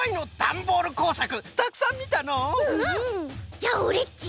じゃあオレっち